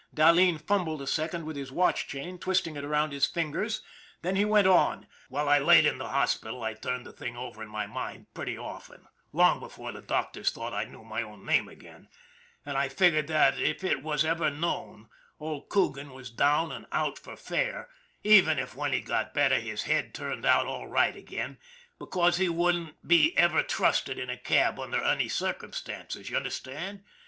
Dahleen fumbled a second with his watch chain, twisting it around his fingers, then he went on : c< While I laid in the hospital I turned the thing over in my mind pretty often, long before the doctors thought I knew my own name again, and I figured that, if it was ever known, old Coogan was down and out for fair even if when he got better his head turned out all right again, because he wouldn't be ever trusted in a cab under any circumstances, you understand?